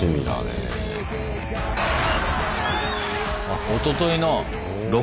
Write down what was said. あっおとといの。